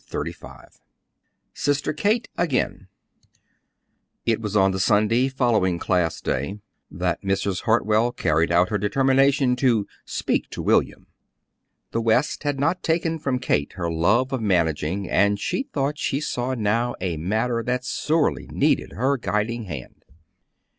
CHAPTER XXXV SISTER KATE AGAIN It was on the Sunday following Class Day that Mrs. Hartwell carried out her determination to "speak to William." The West had not taken from Kate her love of managing, and she thought she saw now a matter that sorely needed her guiding hand.